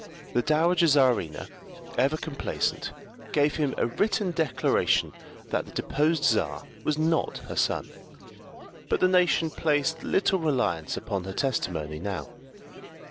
The Dowager Czarina, ever complacent, gave him a written declaration that the deposed Czar was not her son; but the nation placed little reliance upon her testimony now.